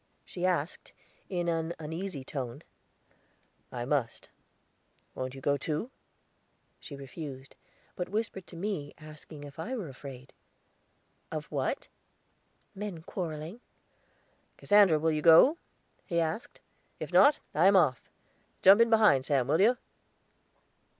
she asked, in an uneasy tone. "I must. Wont you go too?" She refused; but whispered to me, asking if I were afraid? "Of what?" "Men quarreling." "Cassandra, will you go?" he asked. "If not, I am off. Jump in behind, Sam, will you?"